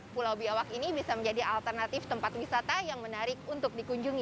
pulau bubiyawak ini bisa menjadi alternatif tempat wisata yang menarik untuk di kunjungi